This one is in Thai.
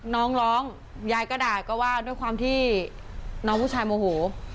น้องร้องยายก็ด่าก็ว่าด้วยความที่น้องผู้ชายโมโห